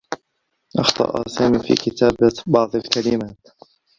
أخطأ سامي في كتابة بعض الكلمات.